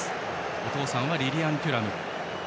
お父さんはリリアン・テュラム。